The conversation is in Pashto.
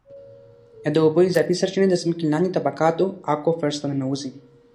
یا د اوبو اضافي سرچېنې د ځمکې لاندې طبقاتو Aquifers ته ننوځي.